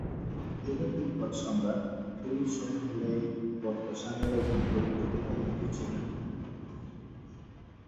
তিনি তিব্বত সম্রাট খ্রি-স্রোং-ল্দে-ব্ত্সানের একজন গুরুত্বপূর্ণ মন্ত্রী ছিলেন।